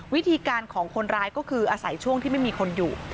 วิธีการของคนร้ายก็คืออาศัยช่วงที่ไม่มีคนอยู่